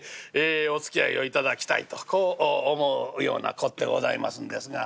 おつきあいを頂きたいとこう思うようなこってございますんですが。